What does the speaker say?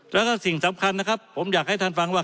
แล้วก็สิ่งสำคัญนะครับผมอยากให้ท่านฟังว่า